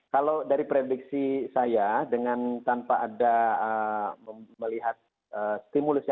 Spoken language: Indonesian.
kalau dari prediksi saya dengan tanpa ada melihatnya ya